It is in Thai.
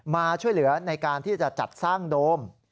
มาช่วยเหลือในการที่จะจัดสร้างโดม